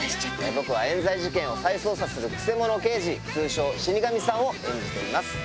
僕は冤罪事件を再捜査するくせ者刑事通称死神さんを演じています。